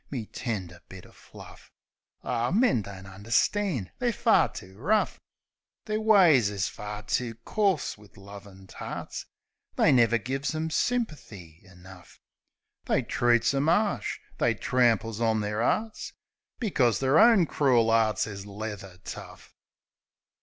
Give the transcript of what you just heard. My tender bit o' fluff ! Ar, men don't understand; they're fur too rough; Their ways is fur too coarse wiv lovin' tarts; They never gives 'em symperthy enough. They treats 'em 'arsh ; they tramples on their 'earts ; Bpcos their own crool 'earts is leather tough.